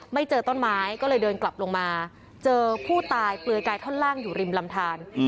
เจอต้นไม้ก็เลยเดินกลับลงมาเจอผู้ตายเปลือยกายท่อนล่างอยู่ริมลำทาน